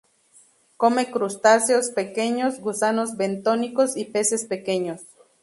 Come crustáceos pequeños, gusanos bentónicos y peces pequeños.